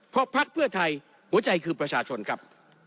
เพราะพักเพื่อไทยหัวใจคือประชาชนครับ